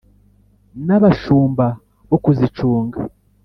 N' abashumba bo kuzicunga